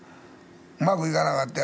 うまくいかなかった